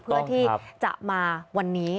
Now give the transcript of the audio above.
เพื่อที่จะมาวันนี้